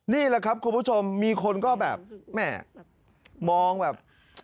นี่แหละครับคุณผู้ชมมีคนก็แบบแหม่มองแบบ